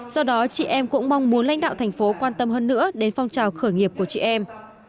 do đó chị em cũng mong muốn lãnh đạo thành phố quan tâm hơn nữa đến phong trào khởi nghiệp của chị em